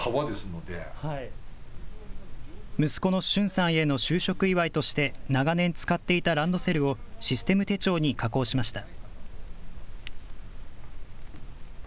息子の瞬さんへの就職祝いとして、長年使っていたランドセルを、システム手帳に加工しました。